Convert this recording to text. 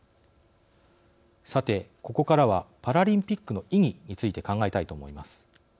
さて、ここからはパラリンピックの意義について考えたいと思います。